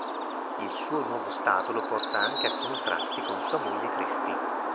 Il suo nuovo stato lo porta anche a contrasti con sua moglie Christie.